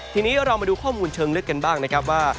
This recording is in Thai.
ทีนี้เรามาดูข้อมูลเชิงลึกกันบ้างนะครับว่า